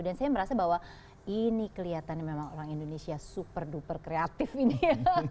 dan saya merasa bahwa ini kelihatan memang orang indonesia super duper kreatif ini ya